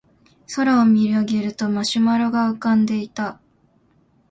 空を見上げるとマシュマロが浮かんでいた